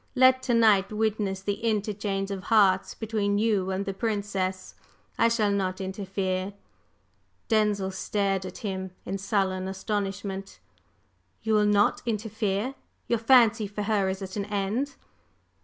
"Let to night witness the interchange of hearts between you and the Princess; I shall not interfere." Denzil stared at him in sullen astonishment. "You will not interfere? Your fancy for her is at an end?"